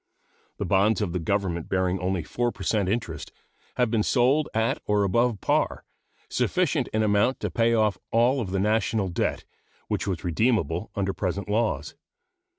The bonds of the Government bearing only 4 per cent interest have been sold at or above par, sufficient in amount to pay off all of the national debt which was redeemable under present laws.